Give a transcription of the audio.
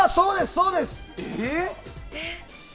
そうです！